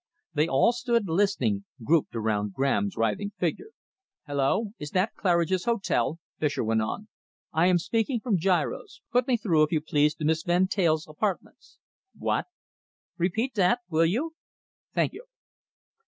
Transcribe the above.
They all stood listening, grouped around Graham's writhing figure. "Hullo! Is that Claridge's Hotel?" Fischer went on. "I am speaking from Giro's. Put me through, if you please, to Miss Van Teyl's apartments... What? Repeat that, will you?... Thank you."